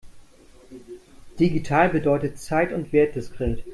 Digital bedeutet zeit- und wertdiskret.